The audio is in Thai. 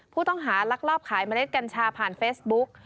ผู้ต้องหารักรอบขายเมล็ดกัญชาผ่านเฟสบุ๊ก